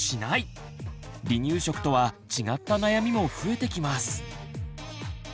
離乳食とは違った悩みも増えてきます。